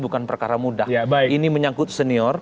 bukan perkara mudah ini menyangkut senior